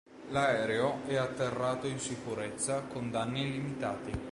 L'aereo è atterrato in sicurezza con danni limitati.